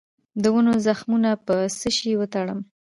د ونو زخمونه په څه شي وتړم؟